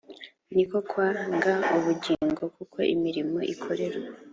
ni ko kwanga ubugingo kuko imirimo ikorerwa